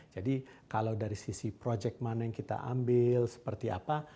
jadi kalau dari sisi proyek mana yang kita ambil seperti apa